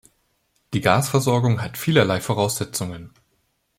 Die Gasversorgung hat vielerlei Voraussetzungen.